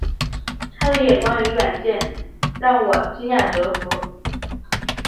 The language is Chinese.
他的眼光与远见让我惊讶折服